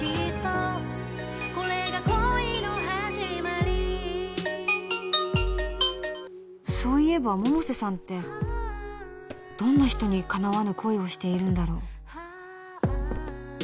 あっそういえば百瀬さんってどんな人にかなわぬ恋をしているんだろう？